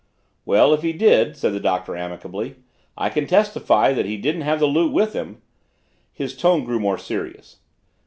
"Well, if he did," said the Doctor amicably, "I can testify that he didn't have the loot with him." His tone grew more serious.